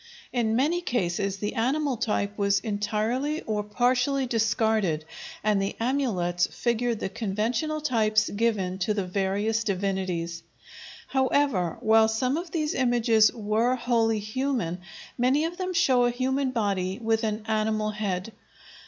In many cases the animal type was entirely or partially discarded and the amulets figured the conventional types given to the various divinities. However, while some of these images were wholly human, many of them show a human body with an animal head.